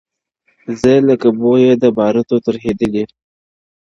زه له بویه د باروتو ترهېدلی -